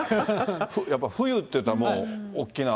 やっぱり冬っていったらもう大きな？